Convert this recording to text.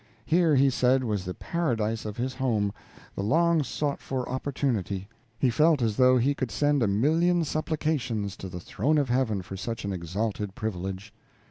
Here, he said, was the paradise of his home, the long sought for opportunity; he felt as though he could send a million supplications to the throne of Heaven for such an exalted privilege.